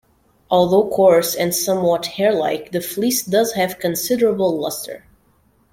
Although coarse and somewhat hair-like, the fleece does have considerable luster.